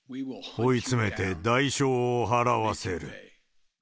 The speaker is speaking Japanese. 追いつめて代償を払わせる。